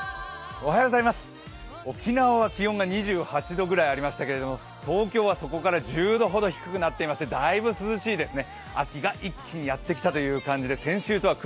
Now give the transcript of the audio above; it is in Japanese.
沖縄は気温が２８度ぐらいありましたけど東京はそこから１０度ほど低くなっていましてだいぶ涼しいですね。